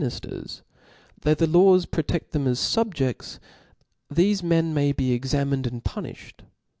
nifters, though the laws protcft them as fqbjeds ;: thefe men may be examined and punifhed.